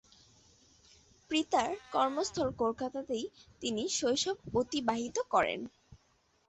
পিতার কর্মস্থল কলকাতাতে তিনি শৈশব অতিবাহিত করেন।